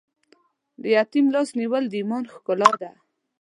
د یتیم لاس نیول د ایمان ښکلا ده.